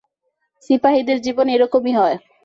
সিপাহীদের জীবন এরকমই হয়।